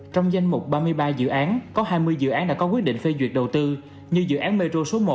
trong danh mục ba mươi ba dự án có hai mươi dự án đã có quyết định phê duyệt đầu tư như dự án metro số một